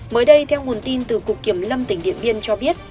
mới đây theo nguồn tin từ cục kiểm lâm tp hcm cho biết